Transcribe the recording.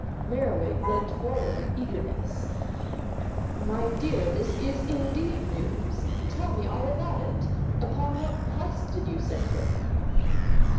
Merriwig leant forward with eagerness. "My dear, this is indeed news. Tell me all about it. Upon what quest did you send him?"